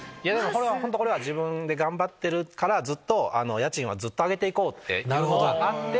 本当これは自分で頑張ってるから家賃はずっと上げていこうっていうのがあって。